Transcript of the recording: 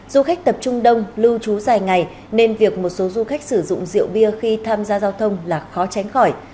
du khách tập trung đông lưu trú dài ngày nên việc một số du khách sử dụng rượu bia khi tham gia giao thông là khó tránh khỏi